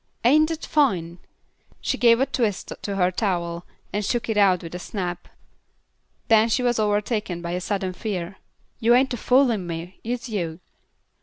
Ain't dat fine?" She gave a twist to her towel and shook it out with a snap. Then she was overtaken by a sudden fear. "Yuh ain't a foolin' me, is yuh?"